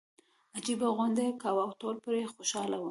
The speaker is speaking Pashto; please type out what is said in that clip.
عجیبه خوند یې کاوه او ټول پرې خوشاله وو.